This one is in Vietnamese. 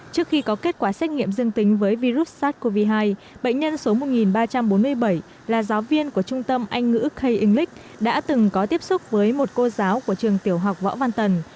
trước khi có kết quả xét nghiệm dương tính với virus sars cov hai bệnh nhân số một ba trăm bốn mươi bảy là giáo viên của trung tâm anh ngữ k english đã từng có tiếp xúc với một cô giáo của trường tiểu học võ văn tần